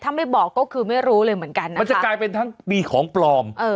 ถ้าไม่บอกก็คือไม่รู้เลยเหมือนกันมันจะกลายเป็นทั้งมีของปลอมเออ